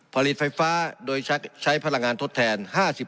ผลิตไฟฟ้าโดยใช้พลังงานทดแทน๕๐